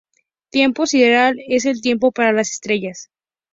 Tiempo sideral es el tiempo para las estrellas.